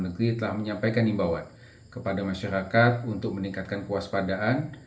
negeri telah menyampaikan imbawan kepada masyarakat untuk meningkatkan kuas padaan